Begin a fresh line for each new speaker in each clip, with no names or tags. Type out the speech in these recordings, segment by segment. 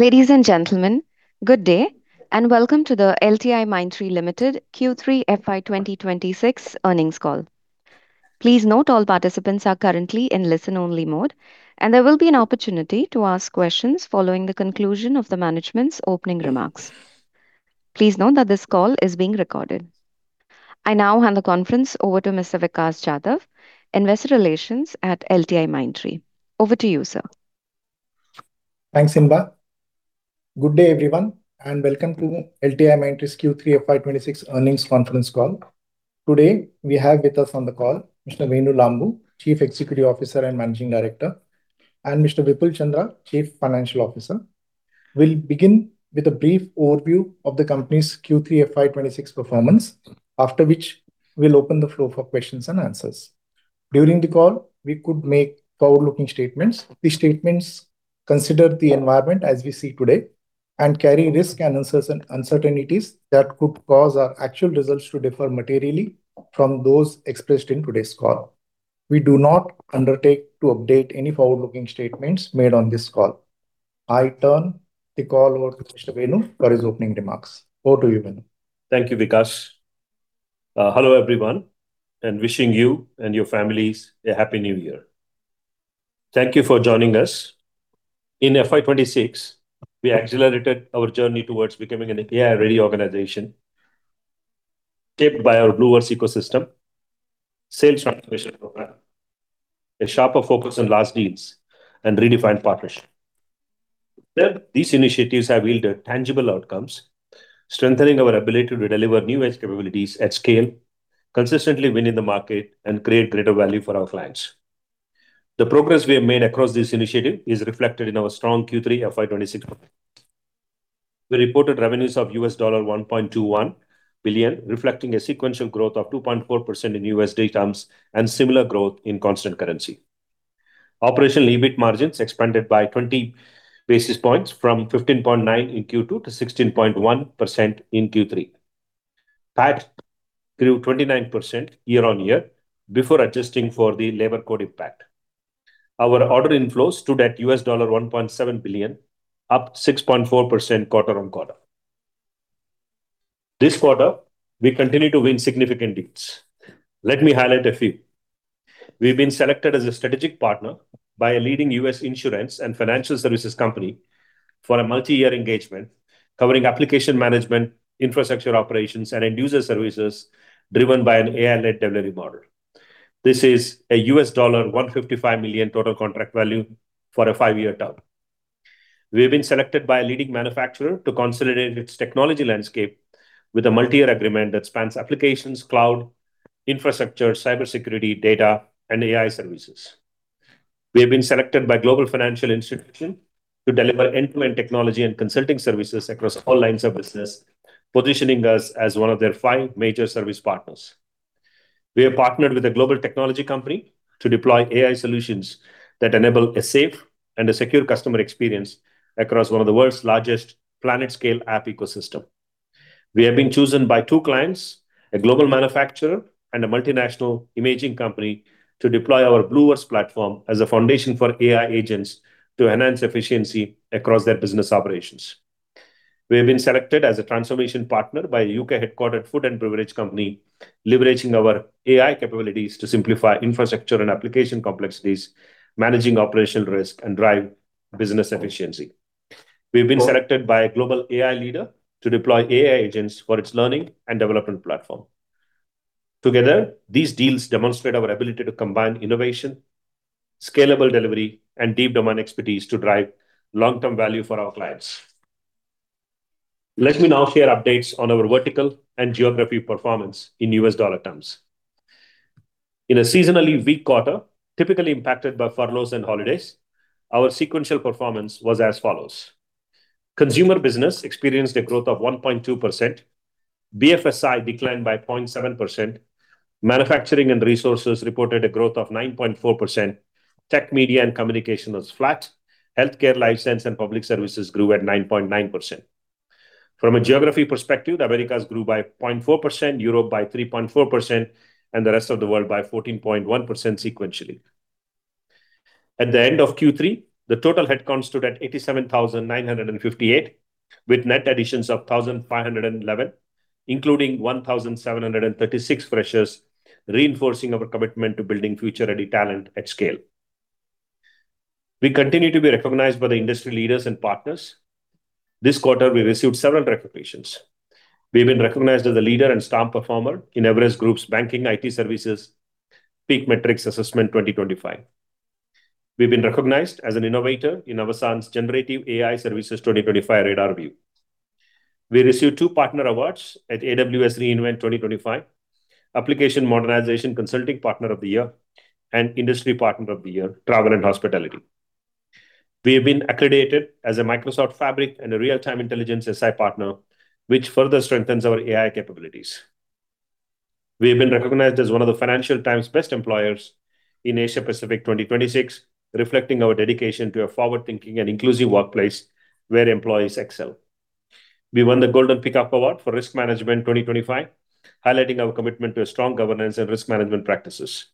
Ladies and gentlemen, good day, and welcome to the LTIMindtree Limited Q3 FY 2026 earnings call. Please note all participants are currently in listen-only mode, and there will be an opportunity to ask questions following the conclusion of the management's opening remarks. Please note that this call is being recorded. I now hand the conference over to Mr. Vikas Jadhav, Investor Relations at LTIMindtree. Over to you, sir.
Thanks, Inba. Good day, everyone, and welcome to LTIMindtree's Q3 FY 26 earnings conference call. Today, we have with us on the call Mr. Venu Lambu, Chief Executive Officer and Managing Director, and Mr. Vipul Chandra, Chief Financial Officer. We'll begin with a brief overview of the company's Q3 FY 26 performance, after which we'll open the floor for questions and answers. During the call, we could make forward-looking statements. These statements consider the environment as we see today and carry risk and uncertainties that could cause our actual results to differ materially from those expressed in today's call. We do not undertake to update any forward-looking statements made on this call. I turn the call over to Mr. Venu for his opening remarks. Over to you, Venu.
Thank you, Vikas. Hello, everyone, and wishing you and your families a Happy New Year. Thank you for joining us. In FY 26, we accelerated our journey towards becoming an AI-ready organization shaped by our BlueVerse ecosystem, sales transformation program, a sharper focus on large deals, and redefined partnership. These initiatives have yielded tangible outcomes, strengthening our ability to deliver new-age capabilities at scale, consistently winning the market, and create greater value for our clients. The progress we have made across this initiative is reflected in our strong Q3 FY 26 performance. We reported revenues of $1.21 billion, reflecting a sequential growth of 2.4% in USD terms and similar growth in constant currency. Operational EBIT margins expanded by 20 basis points from 15.9% in Q2 to 16.1% in Q3, up 29% year-on-year before adjusting for Labour Code impact. Our order inflows stood at $1.7 billion, up 6.4% quarter-on-quarter. This quarter, we continue to win significant deals. Let me highlight a few. We've been selected as a strategic partner by a leading U.S. insurance and financial services company for a multi-year engagement covering application management, infrastructure operations, and end-user services driven by an AI-led delivery model. This is a $155 million total contract value for a five-year term. We've been selected by a leading manufacturer to consolidate its technology landscape with a multi-year agreement that spans applications, cloud, infrastructure, cybersecurity, data, and AI services. We've been selected by a global financial institution to deliver end-to-end technology and consulting services across all lines of business, positioning us as one of their five major service partners. We have partnered with a global technology company to deploy AI solutions that enable a safe and a secure customer experience across one of the world's largest planet-scale app ecosystems. We have been chosen by two clients, a global manufacturer and a multinational imaging company, to deploy our BlueVerse platform as a foundation for AI agents to enhance efficiency across their business operations. We have been selected as a transformation partner by a UK-headquartered food and beverage company, leveraging our AI capabilities to simplify infrastructure and application complexities, managing operational risk, and drive business efficiency. We've been selected by a global AI leader to deploy AI agents for its learning and development platform. Together, these deals demonstrate our ability to combine innovation, scalable delivery, and deep domain expertise to drive long-term value for our clients. Let me now share updates on our vertical and geography performance in US dollar terms. In a seasonally weak quarter, typically impacted by furloughs and holidays, our sequential performance was as follows. Consumer Business experienced a growth of 1.2%, BFSI declined by 0.7%, Manufacturing and Resources reported a growth of 9.4%, Tech, Media and Communications was flat, Healthcare, Life Sciences, and Public Services grew at 9.9%. From a geography perspective, Americas grew by 0.4%, Europe by 3.4%, and the Rest of the World by 14.1% sequentially. At the end of Q3, the total headcount stood at 87,958, with net additions of 1,511, including 1,736 freshers, reinforcing our commitment to building future-ready talent at scale. We continue to be recognized by the industry leaders and partners. This quarter, we received several recognitions. We've been recognized as a leader and star performer in Everest Group's Banking IT Services PEAK Matrix Assessment 2025. We've been recognized as an innovator in Avasant's Generative AI Services 2025 RadarView. We received two partner awards at AWS re:Invent 2025, Application Modernization Consulting Partner of the Year, and Industry Partner of the Year, Travel and Hospitality. We have been accredited as a Microsoft Fabric and a Real-Time Intelligence SI partner, which further strengthens our AI capabilities. We have been recognized as one of the Financial Times' Best Employers in Asia Pacific 2026, reflecting our dedication to a forward-thinking and inclusive workplace where employees excel. We won the Golden Peacock Award for Risk Management 2025, highlighting our commitment to strong governance and risk management practices.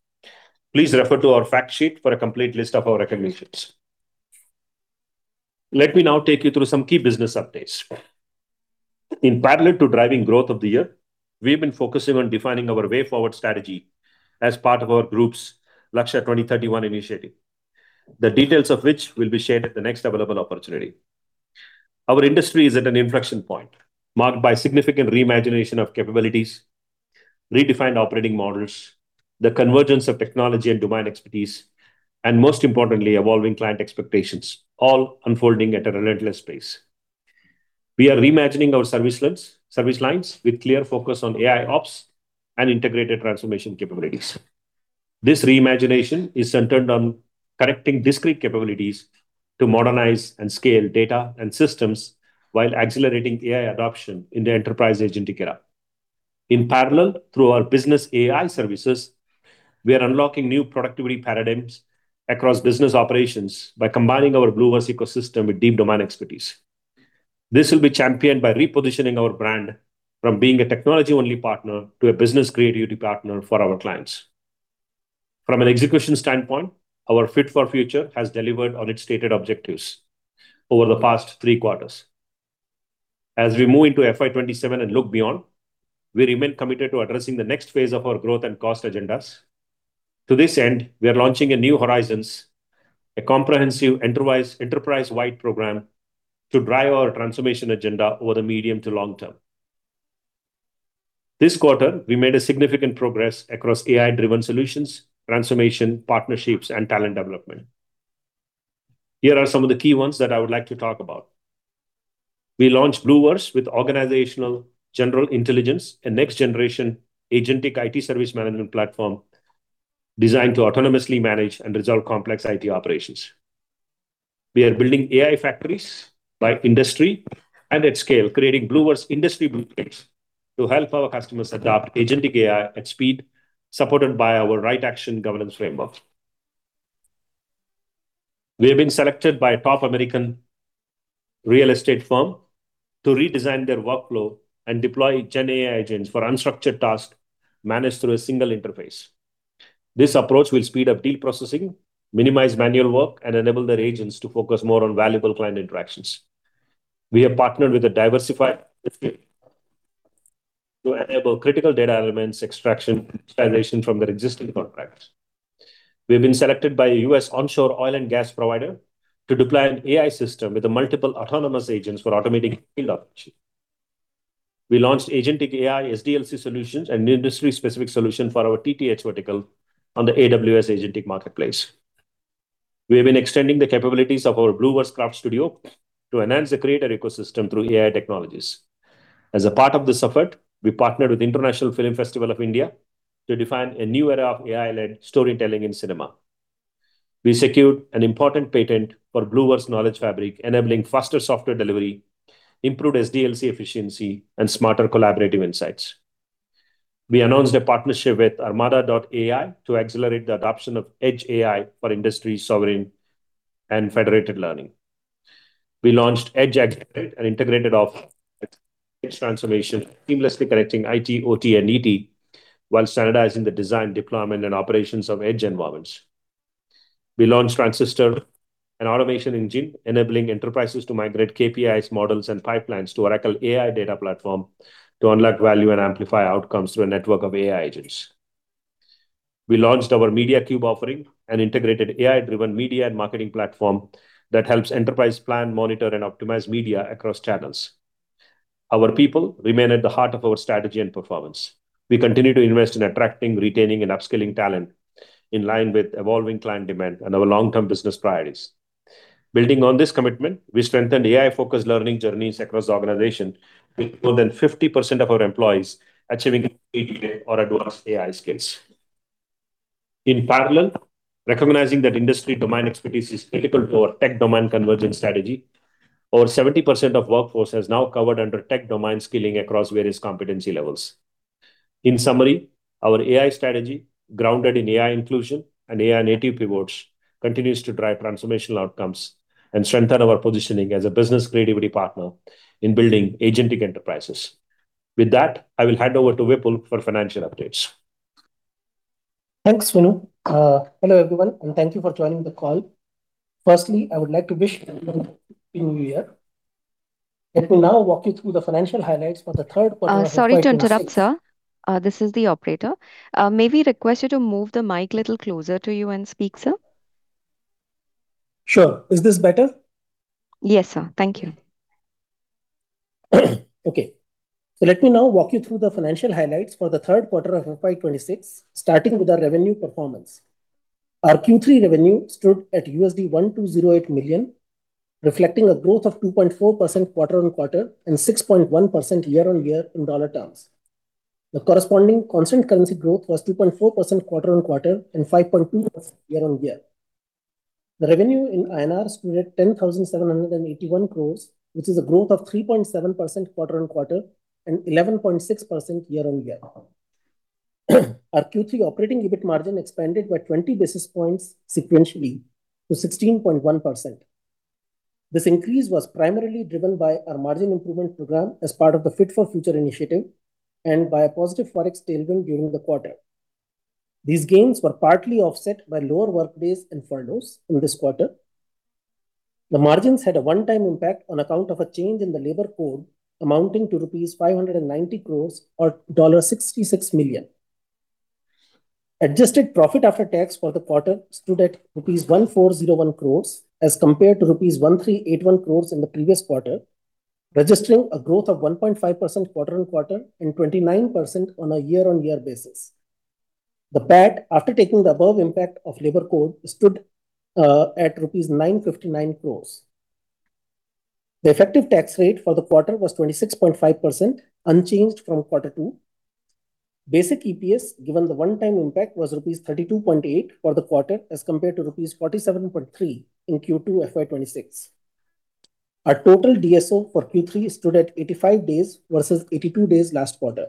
Please refer to our fact sheet for a complete list of our recognitions. Let me now take you through some key business updates. In parallel to driving growth of the year, we have been focusing on defining our way forward strategy as part of our group's Lakshya 2031 initiative, the details of which will be shared at the next available opportunity. Our industry is at an inflection point marked by significant reimagination of capabilities, redefined operating models, the convergence of technology and domain expertise, and most importantly, evolving client expectations, all unfolding at a relentless pace. We are reimagining our service lines with a clear focus on AIOps and integrated transformation capabilities. This reimagination is centered on connecting discrete capabilities to modernize and scale data and systems while accelerating AI adoption in the enterprise agentic era. In parallel, through our business AI services, we are unlocking new productivity paradigms across business operations by combining our BlueVerse ecosystem with deep domain expertise. This will be championed by repositioning our brand from being a technology-only partner to a business creativity partner for our clients. From an execution standpoint, our Fit for Future has delivered on its stated objectives over the past three quarters. As we move into FY 2027 and look beyond, we remain committed to addressing the next phase of our growth and cost agendas. To this end, we are launching New Horizons, a comprehensive enterprise-wide program to drive our transformation agenda over the medium to long term. This quarter, we made significant progress across AI-driven solutions, transformation partnerships, and talent development. Here are some of the key ones that I would like to talk about. We launched BlueVerse with organizational general intelligence, a next-generation agentic IT service management platform designed to autonomously manage and resolve complex IT operations. We are building AI factories by industry and at scale, creating BlueVerse industry blueprints to help our customers adopt Agentic AI at speed, supported by our right action governance framework. We have been selected by a top American real estate firm to redesign their workflow and deploy GenAI agents for unstructured tasks managed through a single interface. This approach will speed up deal processing, minimize manual work, and enable their agents to focus more on valuable client interactions. We have partnered with a diversified industry to enable critical data elements extraction from their existing contracts. We have been selected by a U.S. onshore oil and gas provider to deploy an AI system with multiple autonomous agents for automating field operations. We launched Agentic AI SDLC solutions and industry-specific solutions for our TTH vertical on the AWS agentic marketplace. We have been extending the capabilities of our BlueVerse Craft Studio to enhance the creator ecosystem through AI technologies. As a part of this effort, we partnered with the International Film Festival of India to define a new era of AI-led storytelling in cinema. We secured an important patent for BlueVerse Knowledge Fabric, enabling faster software delivery, improved SDLC efficiency, and smarter collaborative insights. We announced a partnership with Armada.ai to accelerate the adoption of edge AI for industry sovereign and federated learning. We launched Edge Aggregate and integrated offerings, Edge Transformation, seamlessly connecting IT, OT, and ET while standardizing the design, deployment, and operations of edge environments. We launched transistor and automation engine, enabling enterprises to migrate KPIs, models, and pipelines to Oracle AI Data Platform to unlock value and amplify outcomes through a network of AI agents. We launched our MediaCube offering, an integrated AI-driven media and marketing platform that helps enterprises plan, monitor, and optimize media across channels. Our people remain at the heart of our strategy and performance. We continue to invest in attracting, retaining, and upskilling talent in line with evolving client demand and our long-term business priorities. Building on this commitment, we strengthened AI-focused learning journeys across the organization, with more than 50% of our employees achieving Expert or advanced AI skills. In parallel, recognizing that industry domain expertise is critical to our tech domain convergence strategy, over 70% of workforce is now covered under tech domain skilling across various competency levels. In summary, our AI strategy, grounded in AI inclusion and AI-native pivots, continues to drive transformational outcomes and strengthen our positioning as a business creativity partner in building agentic enterprises. With that, I will hand over to Vipul for financial updates.
Thanks, Venu. Hello, everyone, and thank you for joining the call. Firstly, I would like to wish everyone a Happy New Year. Let me now walk you through the financial highlights for the third quarter.
I'm sorry to interrupt, sir. This is the operator. May we request you to move the mic a little closer to you and speak, sir?
Sure. Is this better?
Yes, sir. Thank you.
Okay. So let me now walk you through the financial highlights for the third quarter of FY 2026, starting with our revenue performance. Our Q3 revenue stood at $1,208 million, reflecting a growth of 2.4% quarter-on-quarter and 6.1% year-on-year in dollar terms. The corresponding constant currency growth was 2.4% quarter-on-quarter and 5.2% year-on-year. The revenue in INR stood at 10,781 crores, which is a growth of 3.7% quarter-on-quarter and 11.6% year-on-year. Our Q3 operating EBIT margin expanded by 20 basis points sequentially to 16.1%. This increase was primarily driven by our margin improvement program as part of the Fit for Future initiative and by a positive forex tailwind during the quarter. These gains were partly offset by lower workdays and furloughs in this quarter. The margins had a one-time impact on account of a change in Labour Code amounting to rupees 590 crores or $66 million. Adjusted profit after tax for the quarter stood at rupees 1,401 crores as compared to rupees 1,381 crores in the previous quarter, registering a growth of 1.5% quarter-on-quarter and 29% on a year-on-year basis. The PAT, after taking the above impact Labour Code, stood at rupees 959 crores. The effective tax rate for the quarter was 26.5%, unchanged from quarter two. Basic EPS, given the one-time impact, was INR 32.8 for the quarter as compared to INR 47.3 in Q2 FY 2026. Our total DSO for Q3 stood at 85 days versus 82 days last quarter.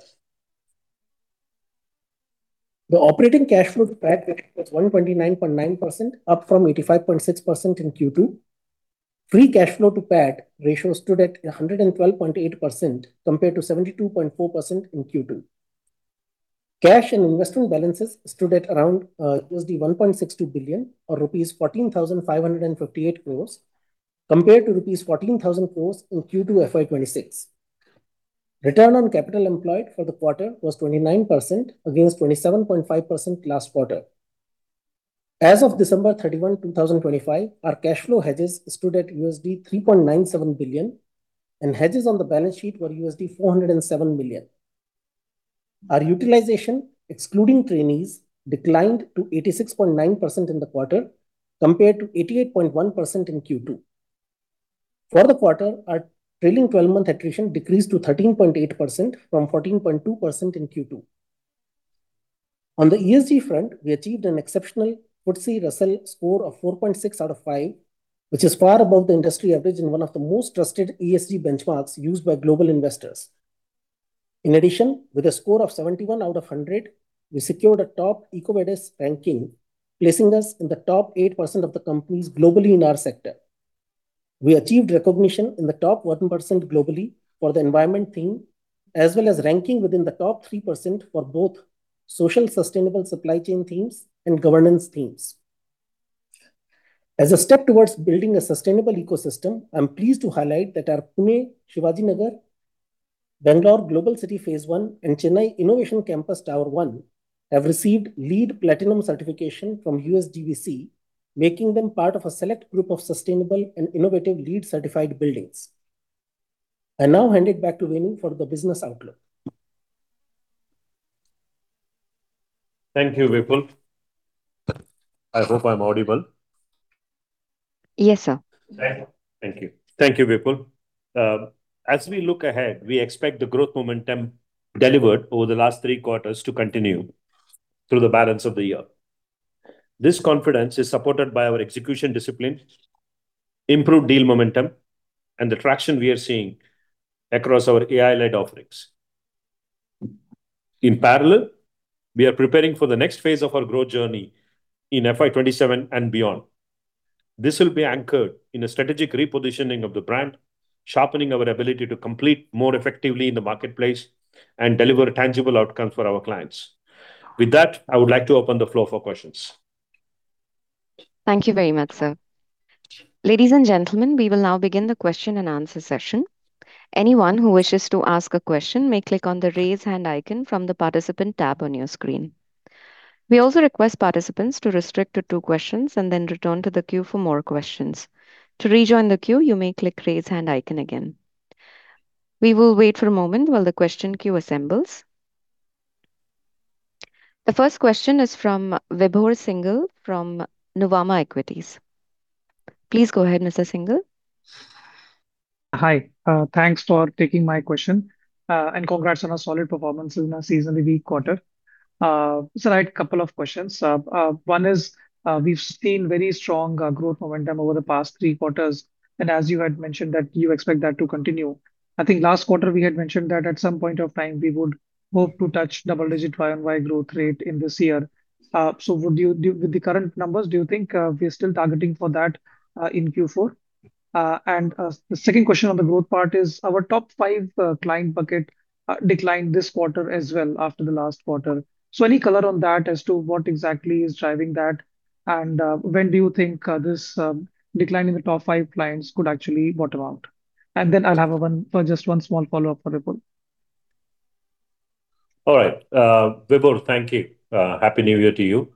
The operating cash flow to PAT was 129.9%, up from 85.6% in Q2. Free cash flow to PAT ratio stood at 112.8% compared to 72.4% in Q2. Cash and investment balances stood at around $1.62 billion or rupees 14,558 crores compared to rupees 14,000 crores in Q2 FY 2026. Return on capital employed for the quarter was 29% against 27.5% last quarter. As of December 31, 2025, our cash flow hedges stood at $3.97 billion, and hedges on the balance sheet were $407 million. Our utilization, excluding trainees, declined to 86.9% in the quarter compared to 88.1% in Q2. For the quarter, our trailing 12-month attrition decreased to 13.8% from 14.2% in Q2. On the ESG front, we achieved an exceptional FTSE Russell score of 4.6 out of 5, which is far above the industry average in one of the most trusted ESG benchmarks used by global investors. In addition, with a score of 71 out of 100, we secured a top EcoVadis ranking, placing us in the top 8% of the companies globally in our sector. We achieved recognition in the top 1% globally for the environment theme, as well as ranking within the top 3% for both social sustainable supply chain themes and governance themes. As a step towards building a sustainable ecosystem, I'm pleased to highlight that our Pune Shivajinagar, Bangalore Global City Phase One, and Chennai Innovation Campus Tower One have received LEED Platinum certification from USGBC, making them part of a select group of sustainable and innovative LEED-certified buildings. I now hand it back to Venu for the business outlook.
Thank you, Vipul. I hope I'm audible.
Yes, sir.
Thank you. Thank you, Vipul. As we look ahead, we expect the growth momentum delivered over the last three quarters to continue through the balance of the year. This confidence is supported by our execution discipline, improved deal momentum, and the traction we are seeing across our AI-led offerings. In parallel, we are preparing for the next phase of our growth journey in FY 2027 and beyond. This will be anchored in a strategic repositioning of the brand, sharpening our ability to compete more effectively in the marketplace and deliver tangible outcomes for our clients. With that, I would like to open the floor for questions.
Thank you very much, sir. Ladies and gentlemen, we will now begin the question and answer session. Anyone who wishes to ask a question may click on the raise hand icon from the participant tab on your screen. We also request participants to restrict to two questions and then return to the queue for more questions. To rejoin the queue, you may click the raise hand icon again. We will wait for a moment while the question queue assembles. The first question is from Vibhor Singhal from Nuvama Equities. Please go ahead, Mr. Singhal.
Hi. Thanks for taking my question and congrats on our solid performance in our seasonally weak quarter, so I had a couple of questions. One is we've seen very strong growth momentum over the past three quarters, and as you had mentioned that you expect that to continue. I think last quarter we had mentioned that at some point of time, we would hope to touch double-digit Y on Y growth rate in this year. So with the current numbers, do you think we're still targeting for that in Q4, and the second question on the growth part is our top five client bucket declined this quarter as well after the last quarter, so any color on that as to what exactly is driving that, and when do you think this decline in the top five clients could actually bottom out? Then I'll have just one small follow-up for Vipul.
All right. Vipul, thank you. Happy New Year to you.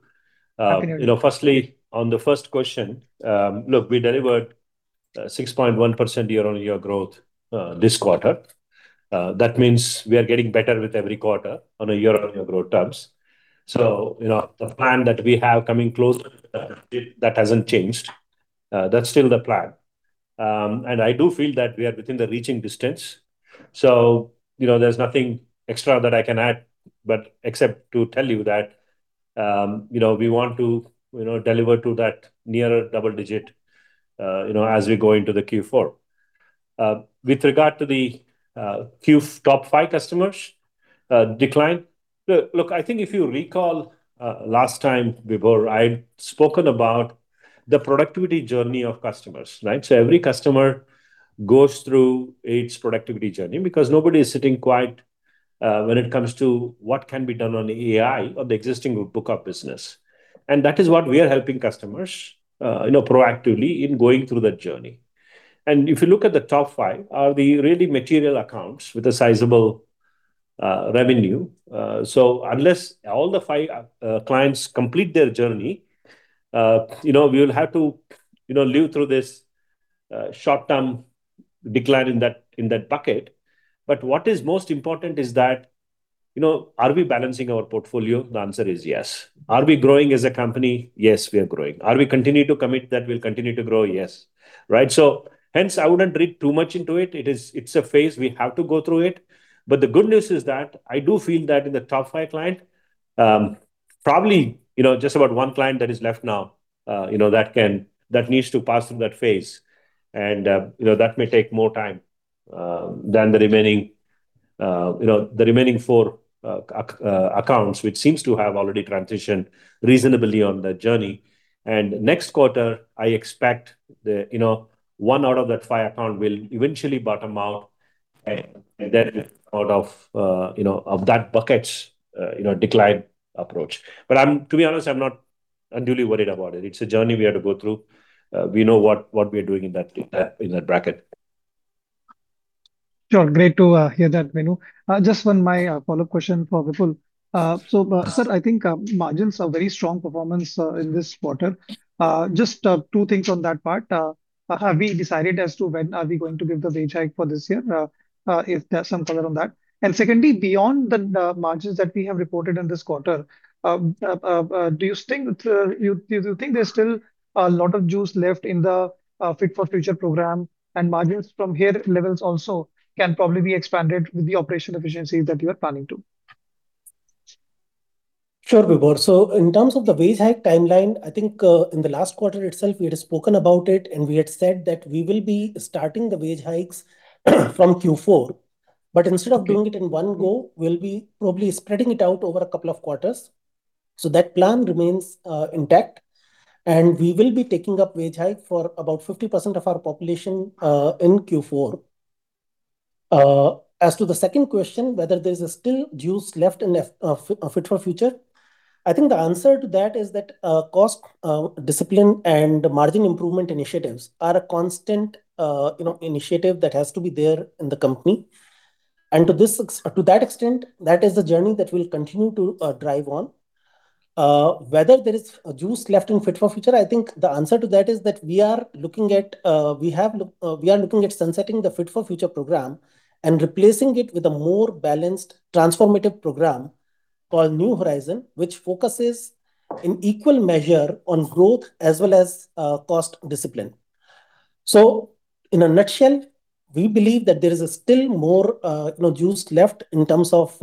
Firstly, on the first question, look, we delivered 6.1% year-on-year growth this quarter. That means we are getting better with every quarter on a year-on-year growth terms. So the plan that we have coming closer, that hasn't changed. That's still the plan. And I do feel that we are within the reaching distance. So there's nothing extra that I can add except to tell you that we want to deliver to that nearer double digit as we go into the Q4. With regard to the Q top five customers decline, look, I think if you recall last time, Vipul, I'd spoken about the productivity journey of customers, right? So every customer goes through its productivity journey because nobody is sitting quiet when it comes to what can be done on AI or the existing book of business. And that is what we are helping customers proactively in going through that journey. And if you look at the top five, are the really material accounts with a sizable revenue. So unless all the five clients complete their journey, we will have to live through this short-term decline in that bucket. But what is most important is that are we balancing our portfolio? The answer is yes. Are we growing as a company? Yes, we are growing. Are we continue to commit that we'll continue to grow? Yes. Right? So hence, I wouldn't read too much into it. It's a phase we have to go through it. But the good news is that I do feel that in the top five client, probably just about one client that is left now that needs to pass through that phase. And that may take more time than the remaining four accounts, which seems to have already transitioned reasonably on that journey. And next quarter, I expect one out of that five account will eventually bottom out and then out of that bucket's decline approach. But to be honest, I'm not unduly worried about it. It's a journey we have to go through. We know what we are doing in that bracket.
Sure. Great to hear that, Venu. Just one more follow-up question for Vipul. So sir, I think margins are very strong performance in this quarter. Just two things on that part. Have we decided as to when are we going to give the wage hike for this year? If there's some color on that. And secondly, beyond the margins that we have reported in this quarter, do you think there's still a lot of juice left in the Fit for Future program? And margins from here levels also can probably be expanded with the operational efficiencies that you are planning to.
Sure, Vipul. So in terms of the wage hike timeline, I think in the last quarter itself, we had spoken about it, and we had said that we will be starting the wage hikes from Q4. But instead of doing it in one go, we'll be probably spreading it out over a couple of quarters. So that plan remains intact. And we will be taking up wage hike for about 50% of our population in Q4. As to the second question, whether there's still juice left in Fit for Future, I think the answer to that is that cost discipline and margin improvement initiatives are a constant initiative that has to be there in the company. And to that extent, that is the journey that we'll continue to drive on. Whether there is juice left in Fit for Future, I think the answer to that is that we are looking at sunsetting the Fit for Future program and replacing it with a more balanced transformative program called New Horizons, which focuses in equal measure on growth as well as cost discipline. So in a nutshell, we believe that there is still more juice left in terms of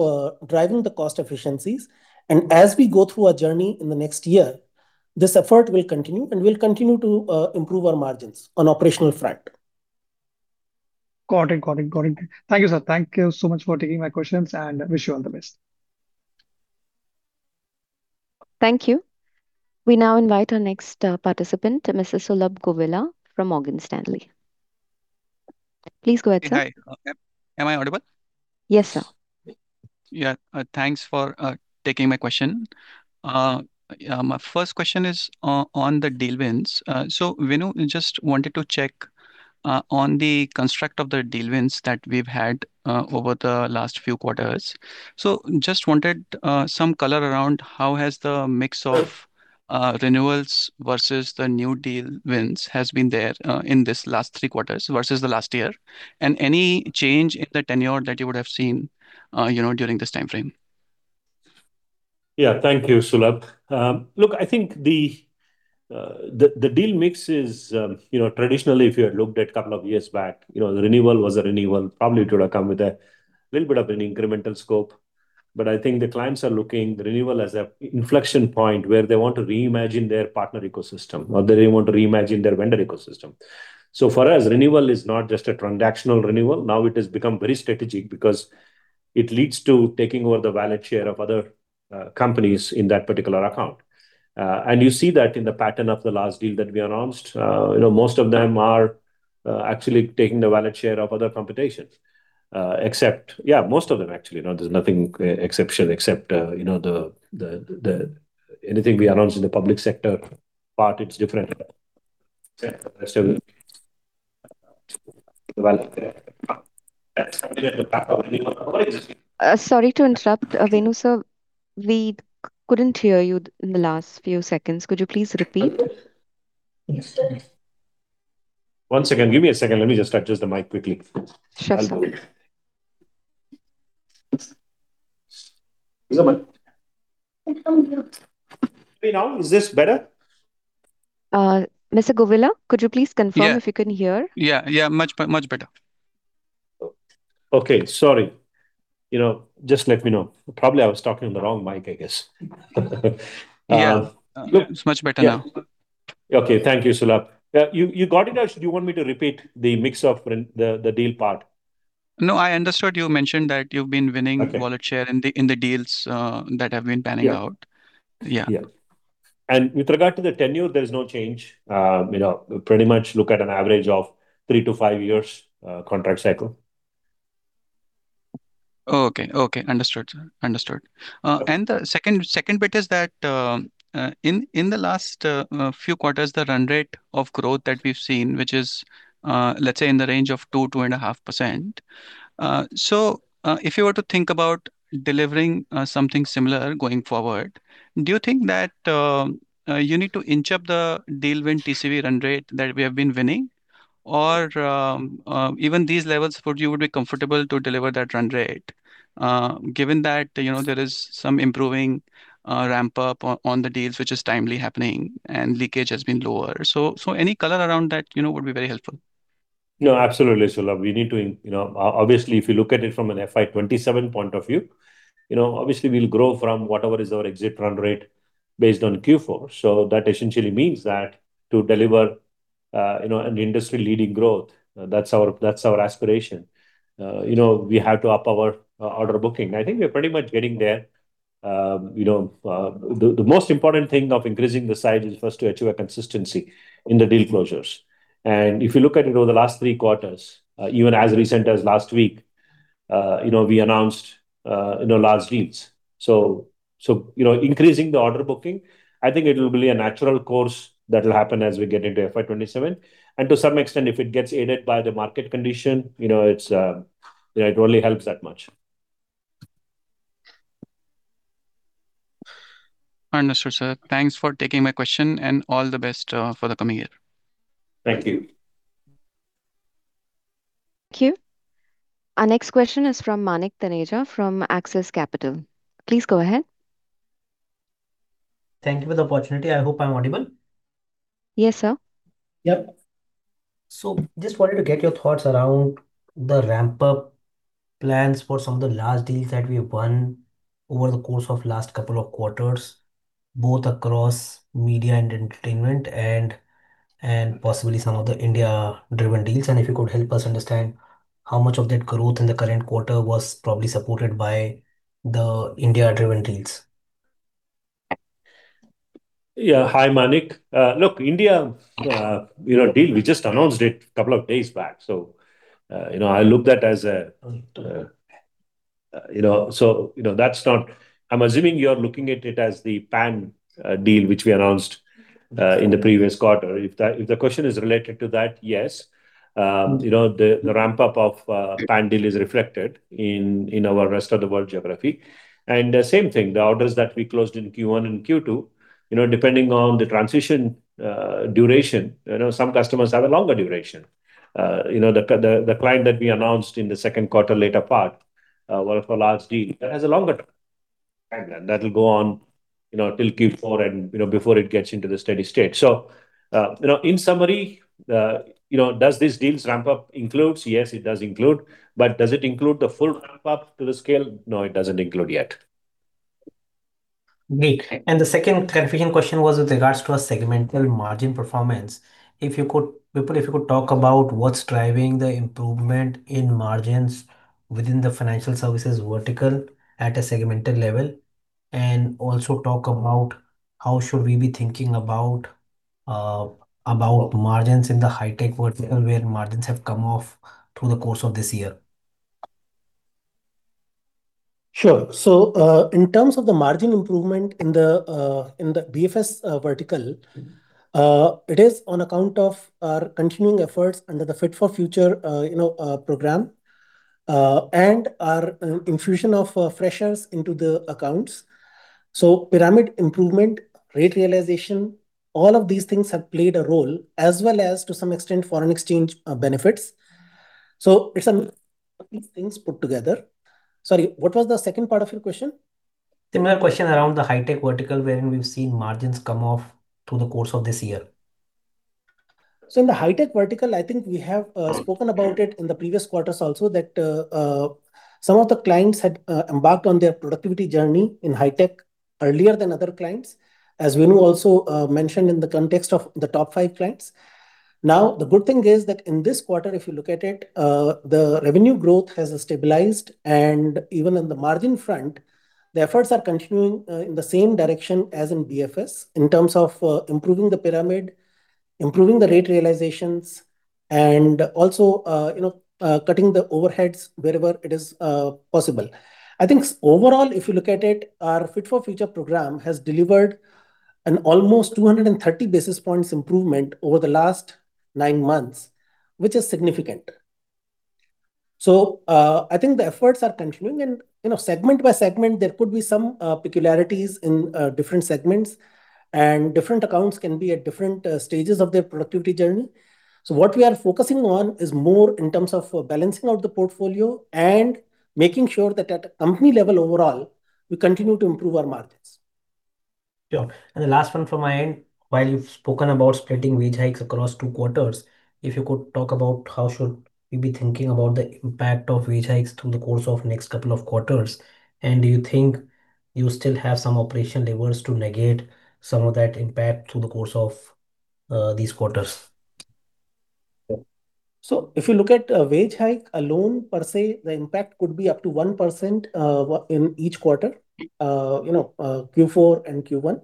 driving the cost efficiencies. And as we go through our journey in the next year, this effort will continue and we'll continue to improve our margins on operational front.
Got it. Got it. Got it. Thank you, sir. Thank you so much for taking my questions, and I wish you all the best.
Thank you. We now invite our next participant, Mr. Sulabh Govila from Morgan Stanley. Please go ahead, sir.
Hi. Am I audible?
Yes, sir.
Yeah. Thanks for taking my question. My first question is on the deal wins. So Venu just wanted to check on the construct of the deal wins that we've had over the last few quarters. So just wanted some color around how has the mix of renewals versus the new deal wins has been there in this last three quarters versus the last year? And any change in the tenure that you would have seen during this time frame?
Yeah, thank you, Sulabh. Look, I think the deal mix is traditionally, if you had looked at a couple of years back, the renewal was a renewal. Probably it would have come with a little bit of an incremental scope. But I think the clients are looking at renewal as an inflection point where they want to reimagine their partner ecosystem or they want to reimagine their vendor ecosystem. So for us, renewal is not just a transactional renewal. Now it has become very strategic because it leads to taking over the value share of other companies in that particular account. And you see that in the pattern of the last deal that we announced. Most of them are actually taking the value share of other competition. Except, yeah, most of them actually. There's nothing exception except anything we announced in the public sector part, it's different.
Sorry to interrupt, Venu, sir. We couldn't hear you in the last few seconds. Could you please repeat?
One second. Give me a second. Let me just adjust the mic quickly.
Sure, sir.
Is this better?
Mr. Goyal, could you please confirm if you can hear?
Yeah. Yeah. Much better.
Okay. Sorry. Just let me know. Probably I was talking on the wrong mic, I guess.
Yeah. It's much better now.
Okay. Thank you, Sulabh. You got it? Or should you want me to repeat the mix of the deal part?
No, I understood you mentioned that you've been winning wallet share in the deals that have been panning out. Yeah.
Yeah. And with regard to the tenure, there's no change. Pretty much look at an average of three to five years contract cycle.
Okay. Okay. Understood. Understood. And the second bit is that in the last few quarters, the run rate of growth that we've seen, which is, let's say, in the range of 2%-2.5%. So if you were to think about delivering something similar going forward, do you think that you need to inch up the deal win TCV run rate that we have been winning? Or even these levels, would you be comfortable to deliver that run rate given that there is some improving ramp up on the deals, which is timely happening and leakage has been lower? So any color around that would be very helpful.
No, absolutely, Sulabh. We need to, obviously, if you look at it from an FY27 point of view, obviously, we'll grow from whatever is our exit run rate based on Q4. So that essentially means that to deliver an industry-leading growth, that's our aspiration. We have to up our order booking. I think we're pretty much getting there. The most important thing of increasing the size is first to achieve a consistency in the deal closures, and if you look at it over the last three quarters, even as recent as last week, we announced large deals. So increasing the order booking, I think it will be a natural course that will happen as we get into FY27, and to some extent, if it gets aided by the market condition, it probably helps that much.
Understood, sir. Thanks for taking my question and all the best for the coming year.
Thank you.
Thank you. Our next question is from Manik Taneja from Axis Capital. Please go ahead.
Thank you for the opportunity. I hope I'm audible.
Yes, sir.
Yep. So just wanted to get your thoughts around the ramp-up plans for some of the last deals that we've won over the course of the last couple of quarters, both across media and entertainment and possibly some of the India-driven deals, and if you could help us understand how much of that growth in the current quarter was probably supported by the India-driven deals.
Yeah. Hi, Manik. Look, India deal, we just announced it a couple of days back. So I looked at that as, so I'm assuming you're looking at it as the PAN deal, which we announced in the previous quarter. If the question is related to that, yes. The ramp-up of PAN deal is reflected in our Rest of the World geography. And same thing, the orders that we closed in Q1 and Q2, depending on the transition duration, some customers have a longer duration. The client that we announced in the second quarter later part for last deal has a longer timeline. That'll go on till Q4 and before it gets into the steady state. So in summary, does this deal's ramp-up include? Yes, it does include. But does it include the full ramp-up to the scale? No, it doesn't include yet.
Great. And the second clarification question was with regards to our segmental margin performance. Vipul, if you could talk about what's driving the improvement in margins within the financial services vertical at a segmental level and also talk about how should we be thinking about margins in the Hi-Tech vertical where margins have come off through the course of this year?
Sure. So in terms of the margin improvement in the BFS vertical, it is on account of our continuing efforts under the Fit for Future program and our infusion of freshers into the accounts. So pyramid improvement, rate realization, all of these things have played a role as well as to some extent foreign exchange benefits. So it's some things put together. Sorry, what was the second part of your question?
Similar question around the Hi-Tech vertical wherein we've seen margins come off through the course of this year.
So in the Hi-Tech vertical, I think we have spoken about it in the previous quarters also that some of the clients had embarked on their productivity journey in Hi-Tech earlier than other clients, as Venu also mentioned in the context of the top five clients. Now, the good thing is that in this quarter, if you look at it, the revenue growth has stabilized. And even on the margin front, the efforts are continuing in the same direction as in BFS in terms of improving the pyramid, improving the rate realizations, and also cutting the overheads wherever it is possible. I think overall, if you look at it, our Fit for Future program has delivered an almost 230 basis points improvement over the last nine months, which is significant. So I think the efforts are continuing. Segment by segment, there could be some peculiarities in different segments, and different accounts can be at different stages of their productivity journey. What we are focusing on is more in terms of balancing out the portfolio and making sure that at a company level overall, we continue to improve our margins.
Sure. And the last one from my end, while you've spoken about splitting wage hikes across two quarters, if you could talk about how should we be thinking about the impact of wage hikes through the course of next couple of quarters, and do you think you still have some operational levers to negate some of that impact through the course of these quarters?
So if you look at a wage hike alone, per se, the impact could be up to 1% in each quarter, Q4 and Q1.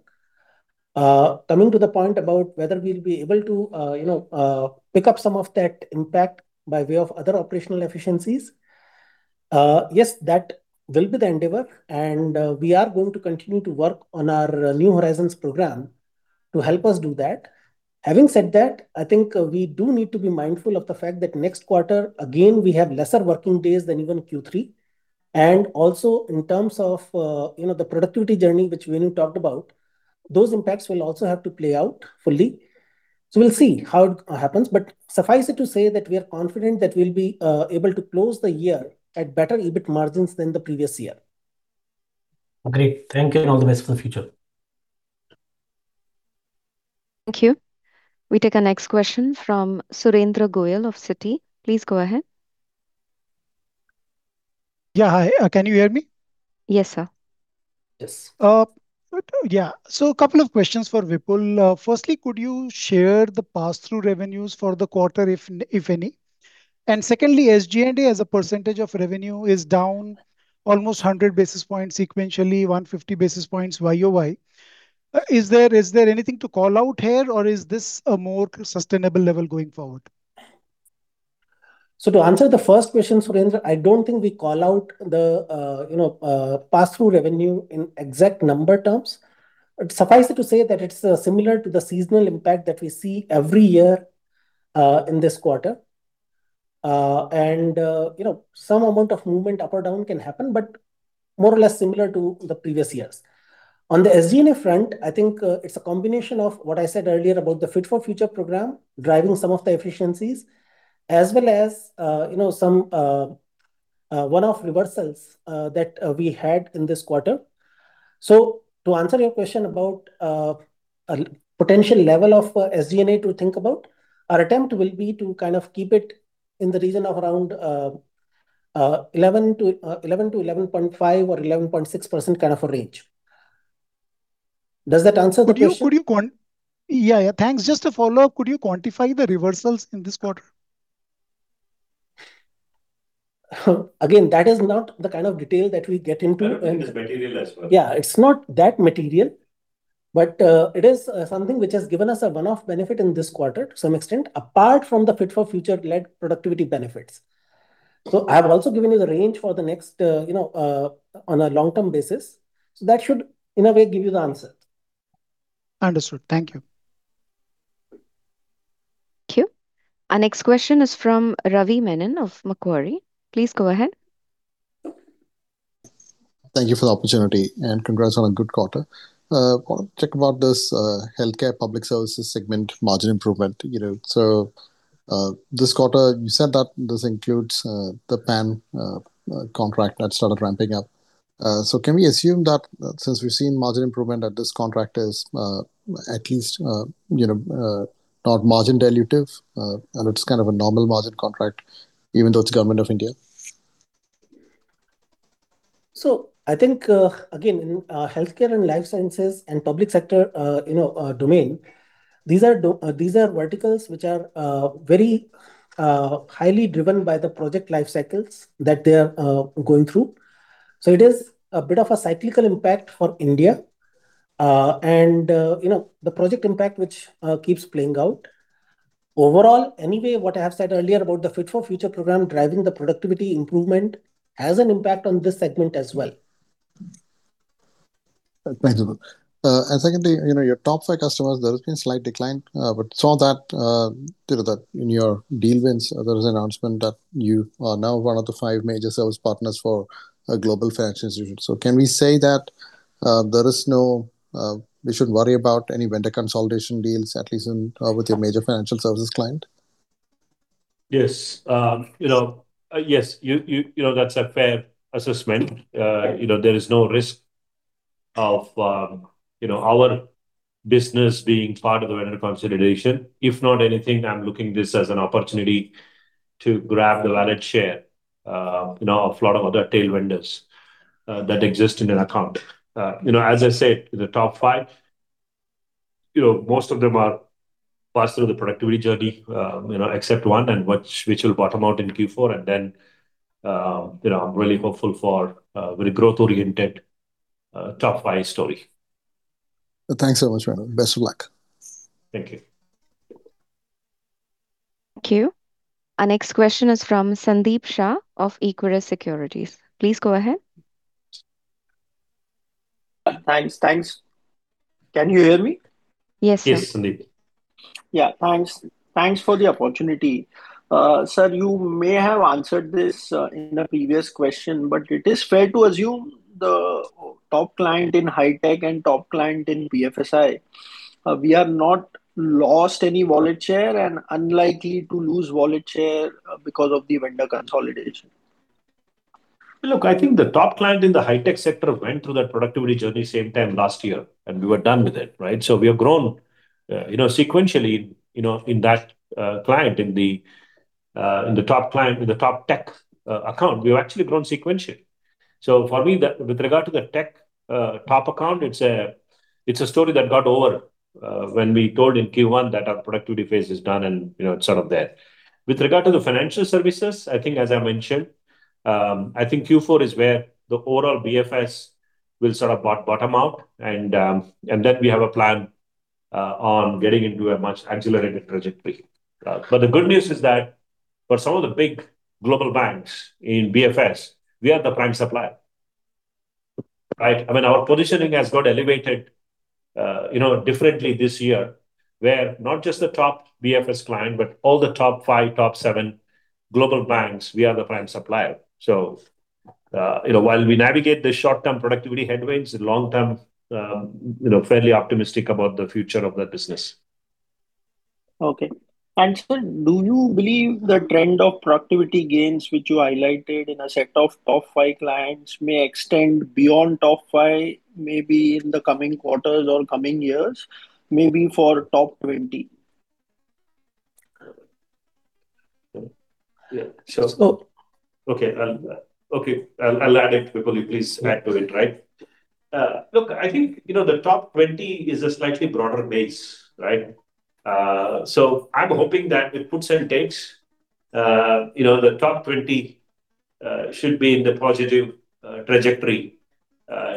Coming to the point about whether we'll be able to pick up some of that impact by way of other operational efficiencies, yes, that will be the endeavor. And we are going to continue to work on our New Horizons program to help us do that. Having said that, I think we do need to be mindful of the fact that next quarter, again, we have lesser working days than even Q3. And also, in terms of the productivity journey, which Venu talked about, those impacts will also have to play out fully. So we'll see how it happens. But suffice it to say that we are confident that we'll be able to close the year at better EBIT margins than the previous year.
Great. Thank you and all the best for the future.
Thank you. We take our next question from Surendra Goyal of Citi. Please go ahead.
Yeah. Hi. Can you hear me?
Yes, sir.
Yes. Yeah. So a couple of questions for Vipul. Firstly, could you share the pass-through revenues for the quarter, if any? And secondly, SG&A as a percentage of revenue is down almost 100 basis points sequentially, 150 basis points YOY. Is there anything to call out here, or is this a more sustainable level going forward?
To answer the first question, Surendra, I don't think we call out the pass-through revenue in exact number terms. Suffice it to say that it's similar to the seasonal impact that we see every year in this quarter. Some amount of movement up or down can happen, but more or less similar to the previous years. On the SG&A front, I think it's a combination of what I said earlier about the Fit for Future program driving some of the efficiencies as well as some one-off reversals that we had in this quarter. To answer your question about a potential level of SG&A to think about, our attempt will be to kind of keep it in the region of around 11% to 11.5% or 11.6% kind of a range. Does that answer the question?
Yeah. Yeah. Thanks. Just to follow up, could you quantify the reversals in this quarter?
Again, that is not the kind of detail that we get into.
It's material as well.
Yeah. It's not that material. But it is something which has given us a one-off benefit in this quarter to some extent apart from the Fit for Future-led productivity benefits. So I have also given you the range for the next on a long-term basis. So that should, in a way, give you the answer.
Understood. Thank you.
Thank you. Our next question is from Ravi Menon of Macquarie. Please go ahead.
Thank you for the opportunity. Congrats on a good quarter. I want to talk about this healthcare public services segment margin improvement. This quarter, you said that this includes the PAN contract that started ramping up. Can we assume that since we've seen margin improvement at this contract is at least not margin dilutive, and it's kind of a normal margin contract, even though it's Government of India?
So, I think again in healthcare and life sciences and public sector domain, these are verticals which are very highly driven by the project life cycles that they are going through. So it is a bit of a cyclical impact for India, and the project impact which keeps playing out. Overall, anyway, what I have said earlier about the Fit for Future program driving the productivity improvement has an impact on this segment as well.
Thank you. And secondly, your top five customers, there has been a slight decline. But saw that in your deal wins, there was an announcement that you are now one of the five major service partners for a global financial institution. So can we say that there is no we should worry about any vendor consolidation deals, at least with your major financial services client?
Yes. Yes. That's a fair assessment. There is no risk of our business being part of the vendor consolidation. If not anything, I'm looking at this as an opportunity to grab the wallet share of a lot of other tail vendors that exist in an account. As I said, the top five, most of them are passed through the productivity journey except one, which will bottom out in Q4. And then I'm really hopeful for a very growth-oriented top five story.
Thanks so much, Venu. Best of luck.
Thank you.
Thank you. Our next question is from Sandeep Shah of Equirus Securities. Please go ahead.
Thanks. Thanks. Can you hear me?
Yes, sir.
Yes, Sandeep.
Thanks. Thanks for the opportunity. Sir, you may have answered this in the previous question, but it is fair to assume the top client in Hi-Tech and top client in BFSI, we are not lost any wallet share and unlikely to lose wallet share because of the vendor consolidation?
Look, I think the top client in the Hi-Tech sector went through that productivity journey same time last year, and we were done with it, right? So we have grown sequentially in that client, in the top tech account. We have actually grown sequentially. So for me, with regard to the tech top account, it's a story that got over when we told in Q1 that our productivity phase is done and it's sort of there. With regard to the financial services, I think, as I mentioned, I think Q4 is where the overall BFS will sort of bottom out. And then we have a plan on getting into a much accelerated trajectory. But the good news is that for some of the big global banks in BFS, we are the prime supplier, right? I mean, our positioning has got elevated differently this year where not just the top BFS client, but all the top five, top seven global banks, we are the prime supplier. So while we navigate the short-term productivity headwinds, long-term, fairly optimistic about the future of that business.
Okay. And sir, do you believe the trend of productivity gains which you highlighted in a set of top five clients may extend beyond top five maybe in the coming quarters or coming years, maybe for top 20?
Yeah. So. So. Okay. Okay. I'll add it. Vipul, you please add to it, right? Look, I think the top 20 is a slightly broader base, right? So I'm hoping that with puts and takes, the top 20 should be in the positive trajectory.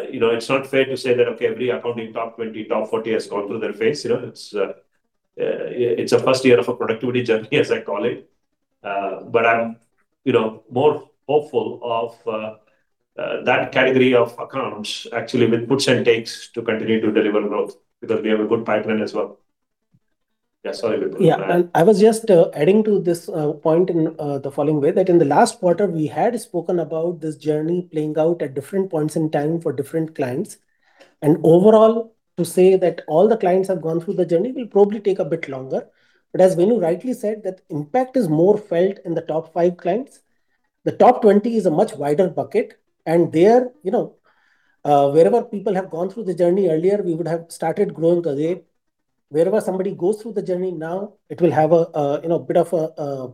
It's not fair to say that, okay, every accounting top 20, top 40 has gone through their phase. It's a first year of a productivity journey, as I call it. But I'm more hopeful of that category of accounts, actually, with puts and takes to continue to deliver growth because we have a good pipeline as well. Yeah. Sorry, Vipul.
Yeah. I was just adding to this point in the following way that in the last quarter, we had spoken about this journey playing out at different points in time for different clients. And overall, to say that all the clients have gone through the journey will probably take a bit longer. But as Venu rightly said, that impact is more felt in the top five clients. The top 20 is a much wider bucket. And there, wherever people have gone through the journey earlier, we would have started growing away. Wherever somebody goes through the journey now, it will have a bit of a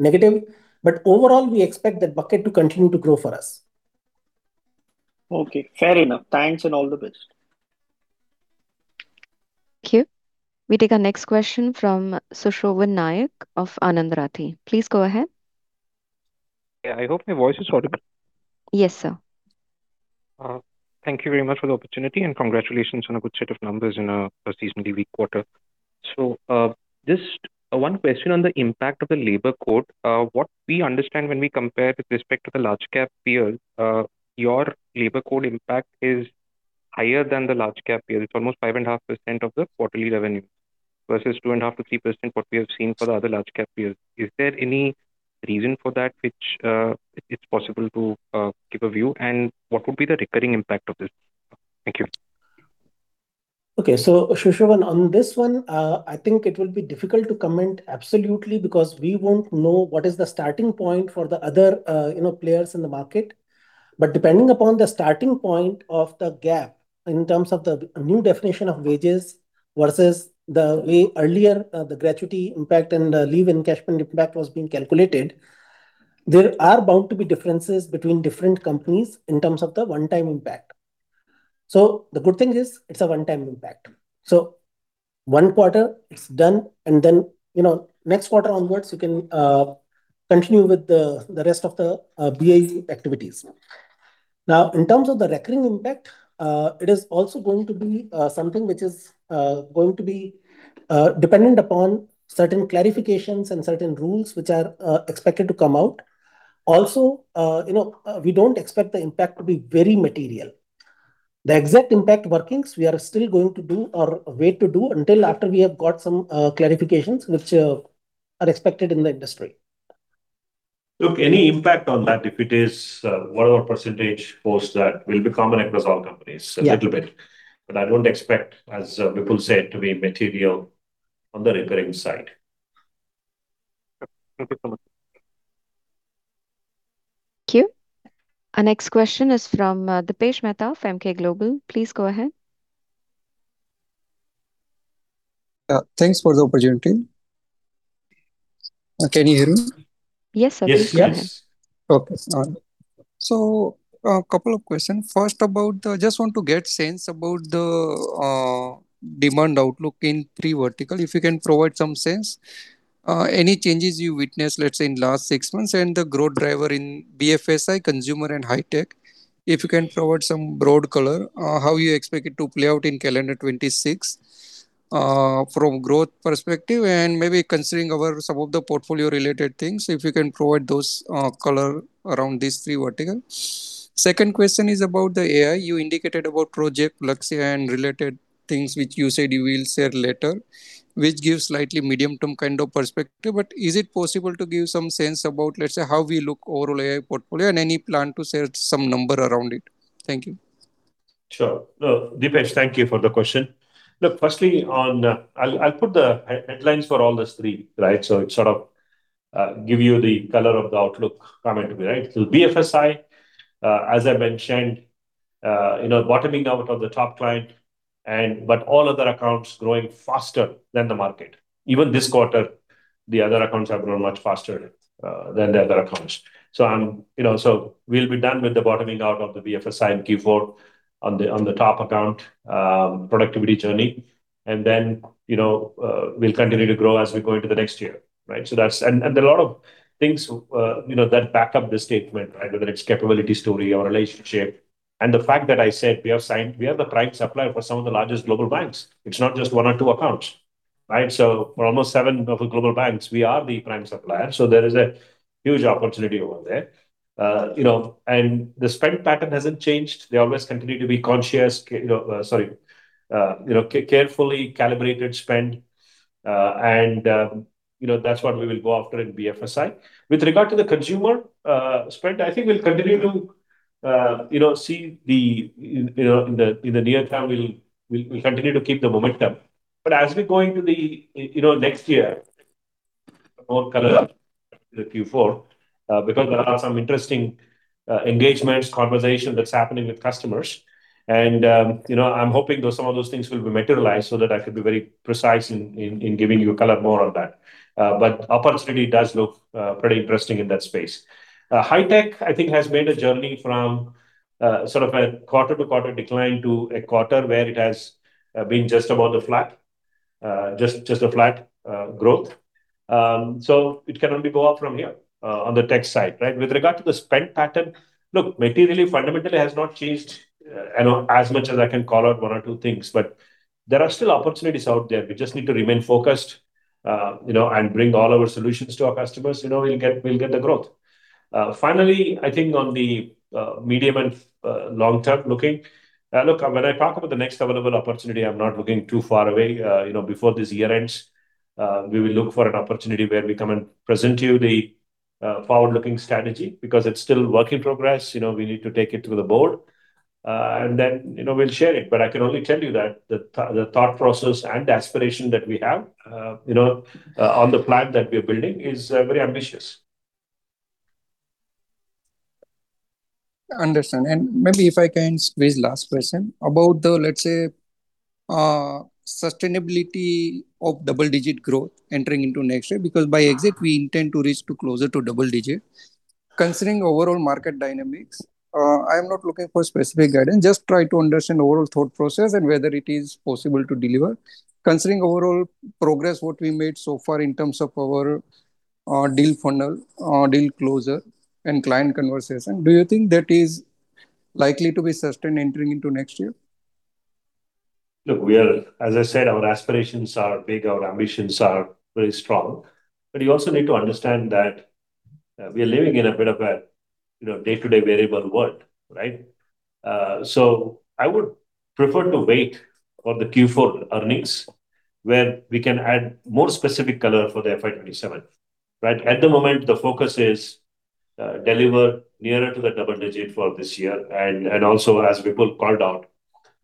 negative. But overall, we expect that bucket to continue to grow for us.
Okay. Fair enough. Thanks and all the best.
Thank you. We take our next question from Sushovan Nayak of Anand Rathi. Please go ahead.
Yeah. I hope my voice is audible.
Yes, sir.
Thank you very much for the opportunity and congratulations on a good set of numbers in a seasonally weak quarter. So just one question on the impact of Labour Code. what we understand when we compare with respect to the large-cap peers, Labour Code impact is higher than the large-cap peers. It's almost 5.5% of the quarterly revenue versus 2.5%-3% what we have seen for the other large-cap peers. Is there any reason for that which it's possible to give a view? And what would be the recurring impact of this? Thank you.
Okay. Sushrova, on this one, I think it will be difficult to comment absolutely because we won't know what is the starting point for the other players in the market. But depending upon the starting point of the gap in terms of the new definition of wages versus the way earlier the gratuity impact and leave encashment impact was being calculated, there are bound to be differences between different companies in terms of the one-time impact. The good thing is it's a one-time impact. One quarter, it's done. Then next quarter onwards, you can continue with the rest of the BAU activities. Now, in terms of the recurring impact, it is also going to be something which is going to be dependent upon certain clarifications and certain rules which are expected to come out. Also, we don't expect the impact to be very material. The exact impact workings, we are still going to do or wait to do until after we have got some clarifications which are expected in the industry.
Look, any impact on that, if it is, whatever percentage posts that will be common across all companies, a little bit. But I don't expect, as Vipul said, to be material on the recurring side.
Thank you so much.
Thank you. Our next question is from Dipesh Mehta of Emkay Global. Please go ahead.
Thanks for the opportunity. Can you hear me?
Yes, sir.
Yes, yes. Okay. All right, so a couple of questions. First, I just want to get a sense about the demand outlook in three verticals. If you can provide some sense, any changes you witnessed, let's say, in the last six months and the growth driver in BFSI, consumer, and Hi-Tech, if you can provide some broad color, how you expect it to play out in calendar 2026 from growth perspective and maybe considering some of the portfolio-related things, if you can provide those color around these three verticals. Second question is about the AI. You indicated about Project Lakshya and related things, which you said you will share later, which gives slightly medium-term kind of perspective. But is it possible to give some sense about, let's say, how we look overall AI portfolio and any plan to share some number around it? Thank you.
Sure. Dipesh, thank you for the question. Look, firstly, I'll put the headlines for all these three, right? So it sort of gives you the color of the outlook comment, right? So BFSI, as I mentioned, bottoming out of the top client, but all other accounts growing faster than the market. Even this quarter, the other accounts have grown much faster than the other accounts. So we'll be done with the bottoming out of the BFSI in Q4 on the top account productivity journey. And then we'll continue to grow as we go into the next year, right? And there are a lot of things that back up this statement, right, whether it's capability story or relationship. And the fact that I said we have signed we are the prime supplier for some of the largest global banks. It's not just one or two accounts, right? For almost seven of the global banks, we are the prime supplier. There is a huge opportunity over there. The spend pattern hasn't changed. They always continue to be conscious, sorry, carefully calibrated spend. That's what we will go after in BFSI. With regard to the consumer spend, I think we'll continue to see that in the near term, we'll continue to keep the momentum. As we go into the next year, more color in Q4 because there are some interesting engagements, conversations that's happening with customers. I'm hoping that some of those things will be materialized so that I could be very precise in giving you a color more on that. Opportunity does look pretty interesting in that space. Hi-Tech, I think, has made a journey from sort of a quarter-to-quarter decline to a quarter where it has been just above the flat, just a flat growth. So it cannot be going up from here on the tech side, right? With regard to the spend pattern, look, materially, fundamentally has not changed as much as I can call out one or two things. But there are still opportunities out there. We just need to remain focused and bring all our solutions to our customers. We'll get the growth. Finally, I think on the medium- and long-term outlook, look, when I talk about the next available opportunity, I'm not looking too far away. Before this year ends, we will look for an opportunity where we come and present to you the forward-looking strategy because it's still work in progress. We need to take it to the board. And then we'll share it. But I can only tell you that the thought process and aspiration that we have on the plan that we are building is very ambitious.
Understand. And maybe if I can squeeze last question about the, let's say, sustainability of double-digit growth entering into next year because by exit, we intend to reach closer to double-digit. Considering overall market dynamics, I am not looking for specific guidance. Just try to understand overall thought process and whether it is possible to deliver. Considering overall progress, what we made so far in terms of our deal funnel, deal closure, and client conversation, do you think that is likely to be sustained entering into next year?
Look, as I said, our aspirations are big. Our ambitions are very strong. But you also need to understand that we are living in a bit of a day-to-day variable world, right? So I would prefer to wait for the Q4 earnings where we can add more specific color for the FY27, right? At the moment, the focus is deliver nearer to the double-digit for this year. And also, as Vipul called out,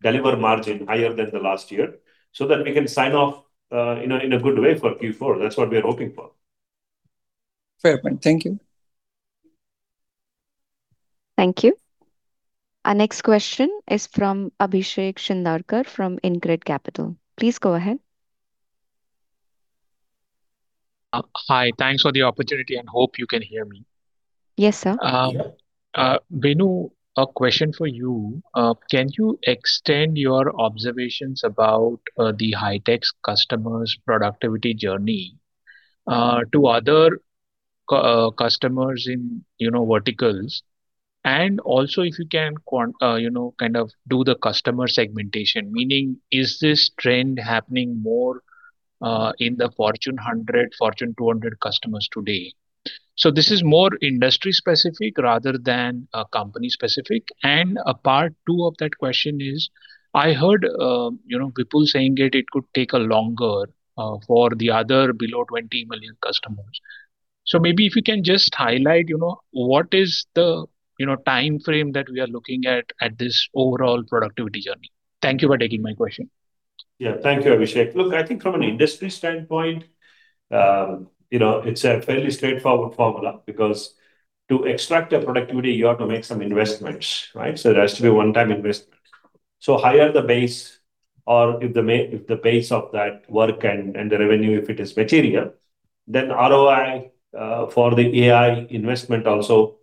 deliver margin higher than the last year so that we can sign off in a good way for Q4. That's what we are hoping for.
Fair point. Thank you.
Thank you. Our next question is from Abhishek Shindadkar from InCred Capital. Please go ahead.
Hi. Thanks for the opportunity. And hope you can hear me.
Yes, sir.
Venu, a question for you. Can you extend your observations about the Hi-Tech customers' productivity journey to other customers in verticals? And also, if you can kind of do the customer segmentation, meaning is this trend happening more in the Fortune 100, Fortune 200 customers today? So this is more industry-specific rather than company-specific. And part two of that question is I heard Vipul saying it could take longer for the other below 20 million customers. So maybe if you can just highlight what is the time frame that we are looking at this overall productivity journey. Thank you for taking my question.
Yeah. Thank you, Abhishek. Look, I think from an industry standpoint, it's a fairly straightforward formula because to extract the productivity, you have to make some investments, right? So there has to be a one-time investment. So higher the base or if the base of that work and the revenue, if it is material, then ROI for the AI investment also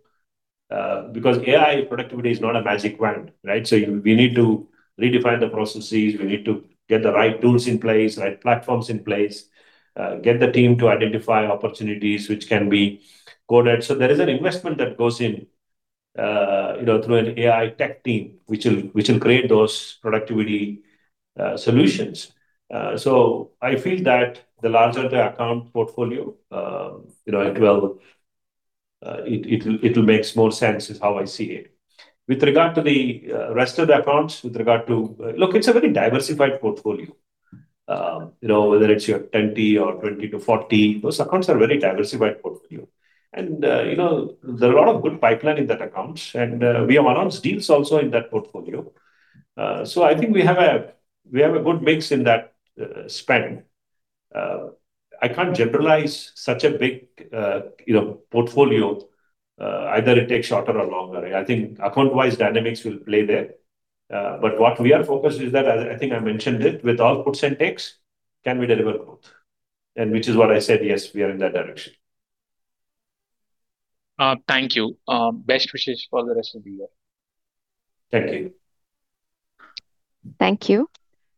because AI productivity is not a magic wand, right? So we need to redefine the processes. We need to get the right tools in place, right platforms in place, get the team to identify opportunities which can be coded. So there is an investment that goes in through an AI tech team which will create those productivity solutions. So I feel that the larger the account portfolio, it will make more sense is how I see it. With regard to the rest of the accounts, look, it's a very diversified portfolio. Whether it's your 20 or 20 to 40, those accounts are very diversified portfolio. And there are a lot of good pipeline in that accounts. And we have announced deals also in that portfolio. So I think we have a good mix in that spend. I can't generalize such a big portfolio. Either it takes shorter or longer. I think account-wise dynamics will play there. But what we are focused is that, as I think I mentioned it, with all puts and takes, can we deliver growth? And which is what I said, yes, we are in that direction.
Thank you. Best wishes for the rest of the year.
Thank you.
Thank you.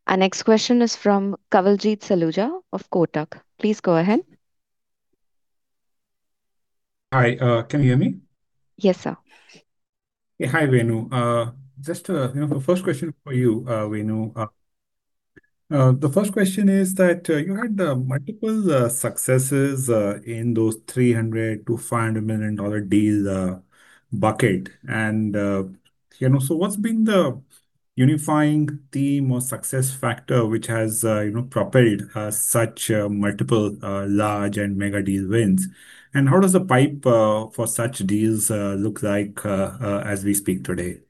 Our next question is from Kawaljeet Saluja of Kotak. Please go ahead.
Hi. Can you hear me?
Yes, sir.
Hi, Venu. Just a first question for you, Venu. The first question is that you had multiple successes in those $300-$500 million deal bucket. And so what's been the unifying theme or success factor which has propelled such multiple large and mega deal wins? And how does the pipe for such deals look like as we speak today?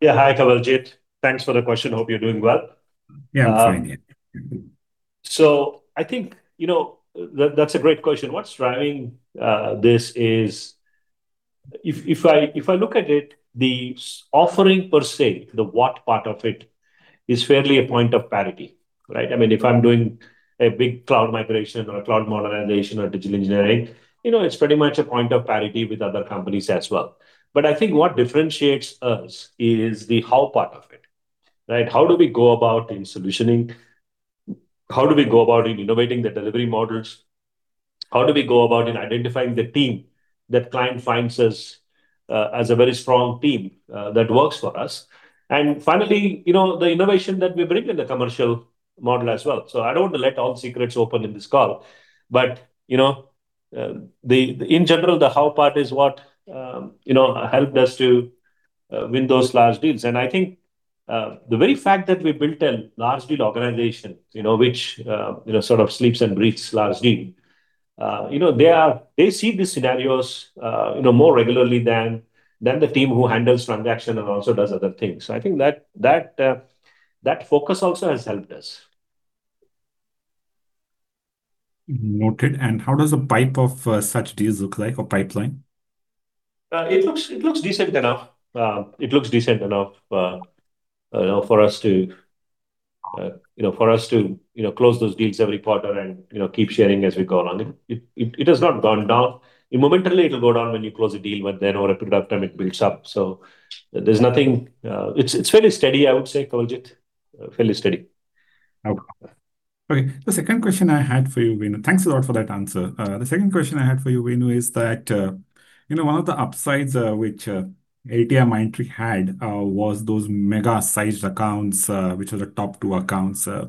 Yeah. Hi, Kawaljeet. Thanks for the question. Hope you're doing well.
Yeah. I'm fine. Yeah.
So I think that's a great question. What's driving this is if I look at it, the offering per se, the what part of it is fairly a point of parity, right? I mean, if I'm doing a big cloud migration or a cloud modernization or digital engineering, it's pretty much a point of parity with other companies as well. But I think what differentiates us is the how part of it, right? How do we go about in solutioning? How do we go about in innovating the delivery models? How do we go about in identifying the team that client finds us as a very strong team that works for us? And finally, the innovation that we bring in the commercial model as well. So I don't want to let all secrets open in this call. But in general, the how part is what helped us to win those large deals. And I think the very fact that we built a large deal organization, which sort of sleeps and breathes large deal, they see these scenarios more regularly than the team who handles transaction and also does other things. So I think that focus also has helped us.
Noted. How does the pipeline of such deals look like or pipeline?
It looks decent enough. It looks decent enough for us to close those deals every quarter and keep sharing as we go along. It has not gone down. Momentarily, it will go down when you close a deal, but then over a period of time, it builds up. So there's nothing. It's fairly steady, I would say, Kawaljeet. Fairly steady.
Okay. Okay. The second question I had for you, Venu, thanks a lot for that answer. The second question I had for you, Venu, is that one of the upsides which LTIMindtree had was those mega-sized accounts, which are the top two accounts. But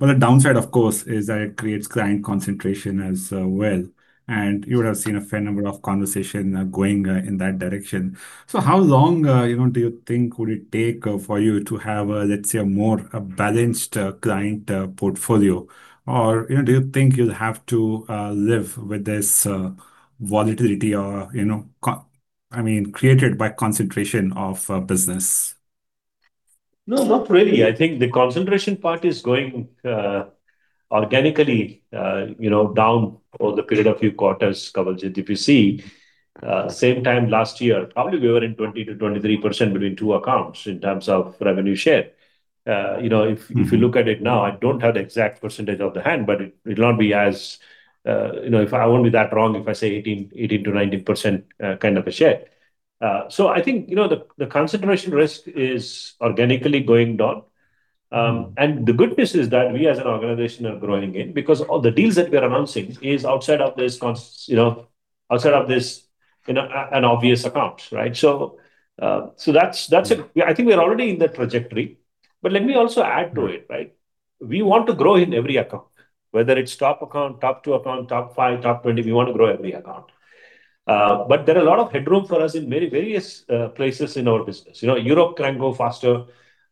the downside, of course, is that it creates client concentration as well. And you would have seen a fair number of conversations going in that direction. So how long do you think would it take for you to have, let's say, a more balanced client portfolio? Or do you think you'll have to live with this volatility or, I mean, created by concentration of business?
No, not really. I think the concentration part is going organically down over the period of a few quarters, Kawaljeet, if you see. Same time last year, probably we were in 20%-23% between two accounts in terms of revenue share. If you look at it now, I don't have the exact percentage off the top of my head, but it will not be as if I won't be that wrong if I say 18%-19% kind of a share. So I think the concentration risk is organically going down. And the good news is that we as an organization are growing in because all the deals that we are announcing is outside of this one obvious account, right? So I think we're already in the trajectory. But let me also add to it, right? We want to grow in every account, whether it's top account, top two account, top five, top 20. We want to grow every account. But there are a lot of headroom for us in many various places in our business. Europe can go faster.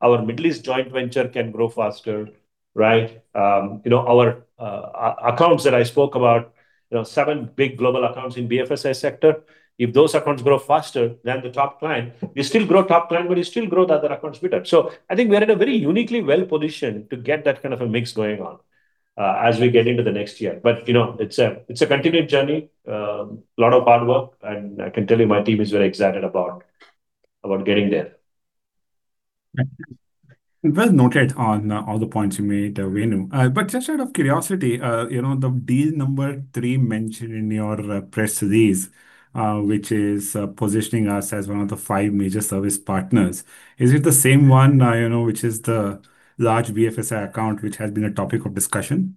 Our Middle East joint venture can grow faster, right? Our accounts that I spoke about, seven big global accounts in BFSI sector, if those accounts grow faster, then the top client, we still grow top client, but we still grow the other accounts better. So I think we are in a very uniquely well-positioned to get that kind of a mix going on as we get into the next year. But it's a continued journey, a lot of hard work. And I can tell you my team is very excited about getting there.
Well noted on all the points you made, Venu. But just out of curiosity, the deal number three mentioned in your press release, which is positioning us as one of the five major service partners, is it the same one which is the large BFSI account which has been a topic of discussion?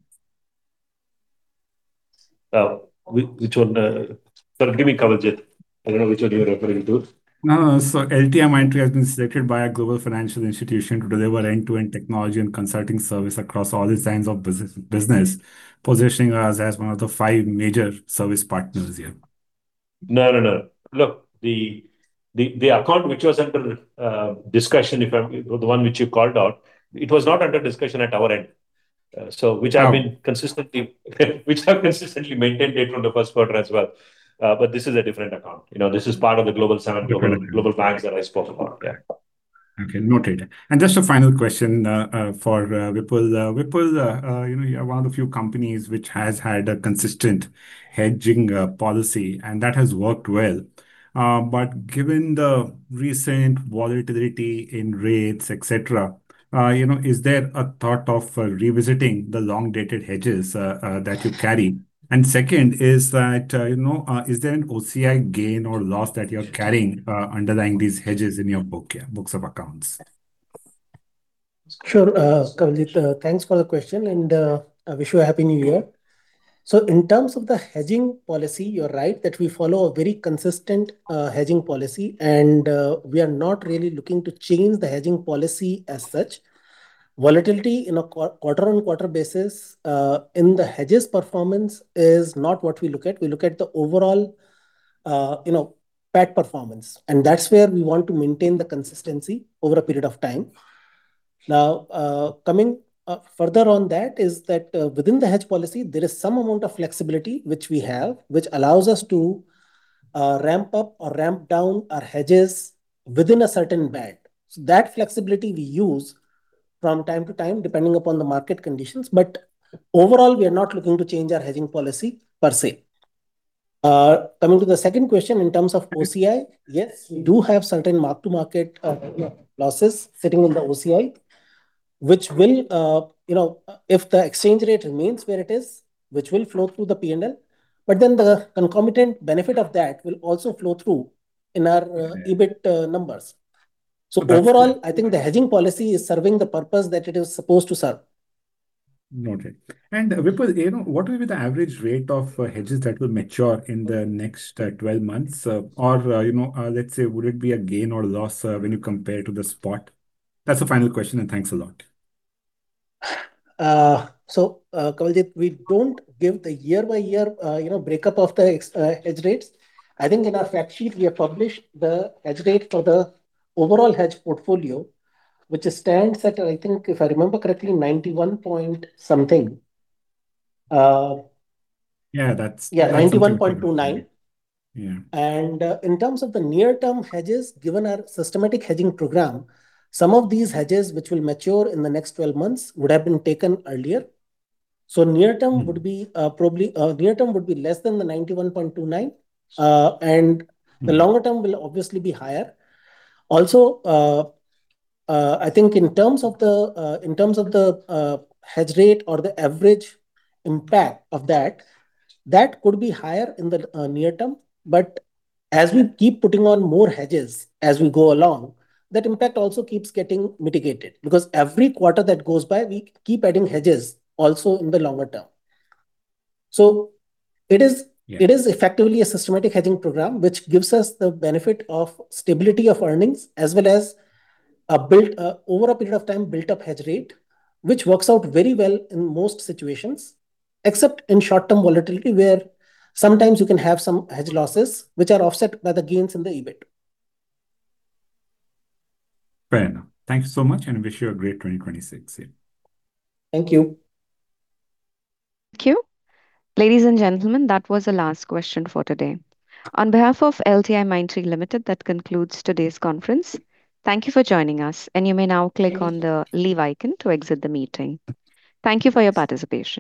Sorry, give me Kawaljeet. I don't know which one you're referring to.
No, no. So LTIMindtree has been selected by a global financial institution to deliver end-to-end technology and consulting services across all lines of business, positioning us as one of the five major service partners here.
No, no, no. Look, the account which was under discussion, the one which you called out, it was not under discussion at our end, which I have consistently maintained it from the first quarter as well. But this is a different account. This is part of the global seven global banks that I spoke about. Yeah.
Okay. Noted. And just a final question for Vipul. Vipul, you're one of the few companies which has had a consistent hedging policy, and that has worked well. But given the recent volatility in rates, etc., is there a thought of revisiting the long-dated hedges that you carry? And second is that, is there an OCI gain or loss that you're carrying underlying these hedges in your books of accounts?
Sure. Kawaljeet, thanks for the question. And I wish you a Happy New Year. So in terms of the hedging policy, you're right that we follow a very consistent hedging policy. And we are not really looking to change the hedging policy as such. Volatility on a quarter-on-quarter basis in the hedges' performance is not what we look at. We look at the overall PAT performance. And that's where we want to maintain the consistency over a period of time. Now, coming further on that is that within the hedge policy, there is some amount of flexibility which we have, which allows us to ramp up or ramp down our hedges within a certain band. So that flexibility we use from time to time depending upon the market conditions. But overall, we are not looking to change our hedging policy per se. Coming to the second question in terms of OCI, yes, we do have certain mark-to-market losses sitting in the OCI, which will, if the exchange rate remains where it is, which will flow through the P&L. But then the concomitant benefit of that will also flow through in our EBIT numbers. So overall, I think the hedging policy is serving the purpose that it is supposed to serve.
Noted. And Vipul, what will be the average rate of hedges that will mature in the next 12 months? Or let's say, would it be a gain or loss when you compare to the spot? That's the final question. And thanks a lot.
So Kawaljeet, we don't give the year-by-year breakup of the hedge rates. I think in our fact sheet, we have published the hedge rate for the overall hedge portfolio, which stands at, I think, if I remember correctly, 91 point something.
Yeah. That's.
Yeah, 91.29. And in terms of the near-term hedges, given our systematic hedging program, some of these hedges which will mature in the next 12 months would have been taken earlier. So near-term would be probably less than the 91.29. And the longer term will obviously be higher. Also, I think in terms of the hedge rate or the average impact of that, that could be higher in the near term. But as we keep putting on more hedges as we go along, that impact also keeps getting mitigated because every quarter that goes by, we keep adding hedges also in the longer term. So it is effectively a systematic hedging program which gives us the benefit of stability of earnings as well as over a period of time, built-up hedge rate, which works out very well in most situations, except in short-term volatility where sometimes you can have some hedge losses which are offset by the gains in the EBIT.
Fair. Thank you so much. And wish you a great 2026.
Thank you.
Thank you. Ladies and gentlemen, that was the last question for today. On behalf of LTIMindtree Limited, that concludes today's conference. Thank you for joining us. And you may now click on the leave icon to exit the meeting. Thank you for your participation.